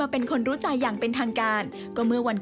กุ๊บกิ๊บขอสงวนท่าที่ให้เวลาเป็นเครื่องท่าที่สุดไปก่อน